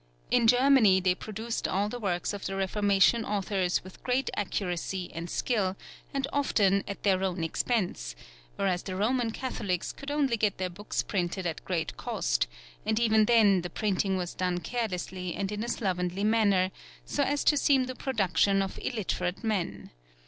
In Germany they produced all the works of the Reformation authors with great accuracy and skill, and often at their own expense; whereas the Roman Catholics could only get their books printed at great cost, and even then the printing was done carelessly and in a slovenly manner, so as to seem the production of illiterate men.